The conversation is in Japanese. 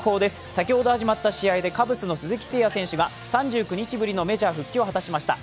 先ほど始まった試合でカブスの鈴木誠也選手が３９日ぶりのメジャー復帰を果たしました。